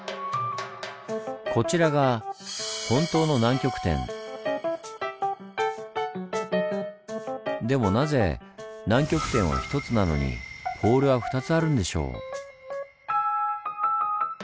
こちらがでもなぜ南極点は１つなのにポールは２つあるんでしょう？